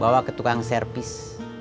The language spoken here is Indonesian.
bawa ke tukang servis